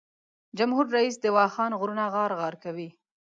جمهور رییس د واخان غرونه غار غار کوي.